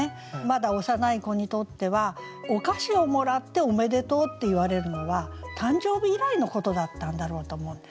まだ幼い子にとってはお菓子をもらっておめでとうって言われるのは誕生日以来のことだったんだろうと思うんですね。